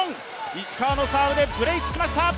石川のサーブでブレイクしました。